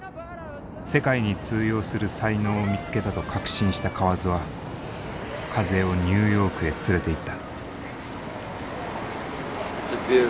世界に通用する才能を見つけたと確信した河津は風をニューヨークへ連れて行った。